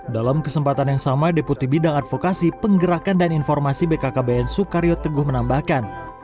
dalam kesempatan yang sama deputi bidang advokasi penggerakan dan informasi bkkbn sukaryo teguh menambahkan